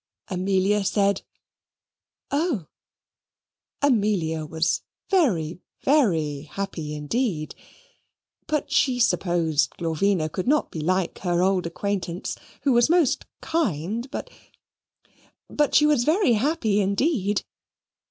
Amelia said "Oh!" Amelia was very VERY happy indeed. But she supposed Glorvina could not be like her old acquaintance, who was most kind but but she was very happy indeed.